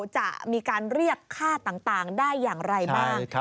จะมีการเรียกค่าต่างได้อย่างไรบ้าง